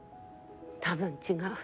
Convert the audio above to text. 多分違う。